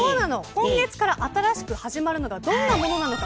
今月から新しく始まるのがどんなものなのか。